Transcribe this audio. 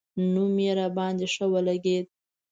نوم یې راباندې ښه ولګېد.